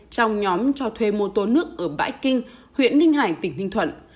trong nhóm cho thuê mô tô nước ở bãi kinh huyện ninh hải tỉnh ninh thuận